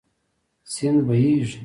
سیند بهېږي.